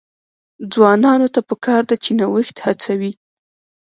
ځوانانو ته پکار ده چې، نوښت هڅوي.